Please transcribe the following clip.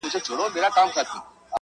دا روايت د ټولنې ژور نقد وړلاندي کوي،